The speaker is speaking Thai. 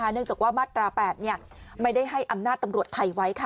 เนื่องจากว่ามาตรา๘ไม่ได้ให้อำนาจตำรวจไทยไว้ค่ะ